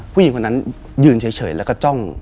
ผู้หญิงคนนั้นยืนเฉยแล้วก็จ้อง